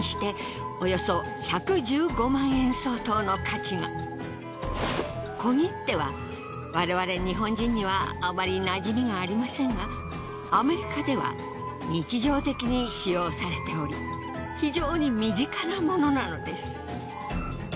しかも小切手は我々日本人にはあまりなじみがありませんがアメリカでは日常的に使用されており非常に身近なものなのです。